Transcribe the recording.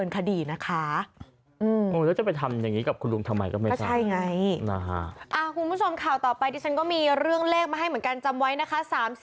คุณผู้ชมข่าวต่อไปดิฉันก็มีเรื่องเลขมาให้เหมือนกันจำไว้นะคะ